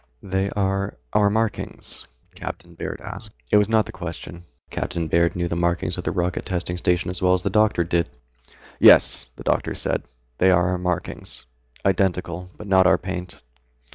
"They are our markings?" Captain Baird asked. It was not the question. Captain Baird knew the markings of the Rocket Testing Station as well as the doctor did. "Yes," the doctor said, "they are our markings. Identical. But not our paint."